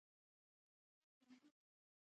د ستوني د خارش لپاره باید څه وکاروم؟